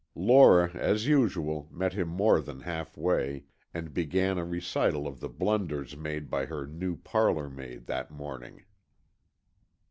Lora, as usual, met him more than half way, and began a recital of the blunders made by her new parlour maid that morning.